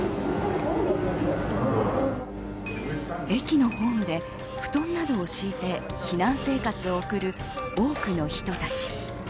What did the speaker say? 駅のホームで布団などを敷いて避難生活を送る多くの人たち。